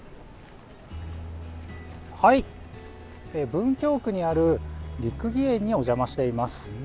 文京区にある六義園にお邪魔しています。